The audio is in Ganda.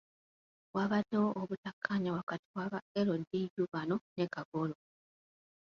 Wabaddewo obutakkanya wakati waba LDU bano ne Kagolo.